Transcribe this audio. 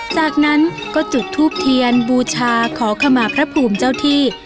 จากนั้นก็จุดทูบเทียนบูชาขอขมาพระภูมิเจ้าที่